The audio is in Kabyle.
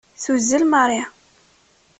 Tuzzel Mary.